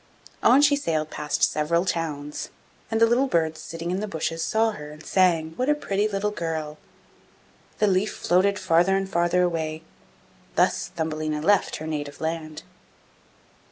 On she sailed past several towns, and the little birds sitting in the bushes saw her, and sang, 'What a pretty little girl!' The leaf floated farther and farther away; thus Thumbelina left her native land.